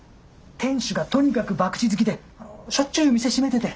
店主がとにかく博打好きでしょっちゅう店閉めてて。